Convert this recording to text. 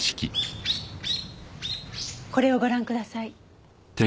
これをご覧ください。